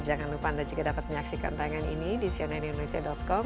jangan lupa anda juga dapat menyaksikan tayangan ini di cnnindonesia com